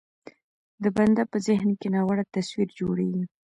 د بنده په ذهن کې ناوړه تصویر جوړېږي.